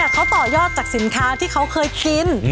เขาต่อยอดจากสินค้าที่เขาเคยกิน